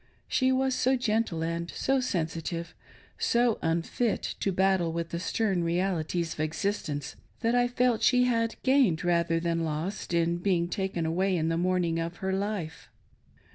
She was so gentle and so sensitive, so unfit to battle with the stern realities of existence, that I felt she had gained rather than lost in being taken away in the morning of her life.